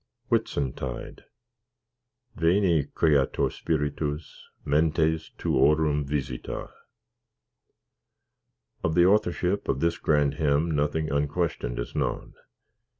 Whitsuntide VENI, CREATOR SPIRITUS, MENTES TUORUM VISITA Of the authorship of this grand hymn nothing unquestioned is known.